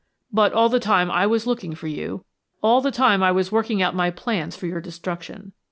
But all the time I was looking for you, all the time I was working out my plans for your destruction.